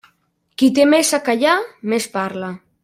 Qui té més a callar més parla.